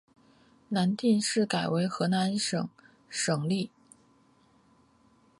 南定市改为河南宁省省莅。